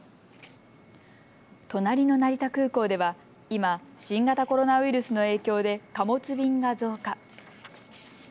隣の成田空港では今、新型コロナウイルスの影響で貨物便が増加。